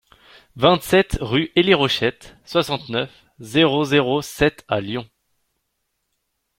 vingt-sept rue Élie Rochette, soixante-neuf, zéro zéro sept à Lyon